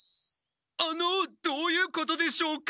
あのどういうことでしょうか？